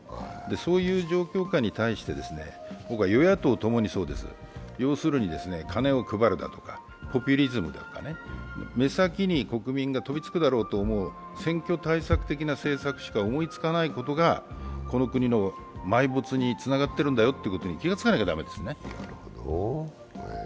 そういう状況下に対して、与野党ともにです、要するに金を配るだとかポピュリズムだとか目先に国民が飛びつくだろうという選挙対策的な政策しか思いつかないことがこの国の埋没につながってるということに気が付かなきゃだめですね。